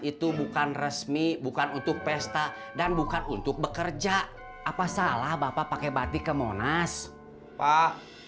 itu bukan resmi bukan untuk pesta dan bukan untuk bekerja apa salah bapak pakai batik ke monas pak